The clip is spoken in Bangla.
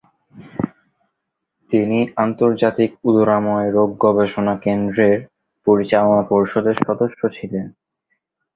তিনি আন্তর্জাতিক উদরাময় রোগ গবেষণা কেন্দ্রের পরিচালনা পর্ষদের সদস্য ছিলেন।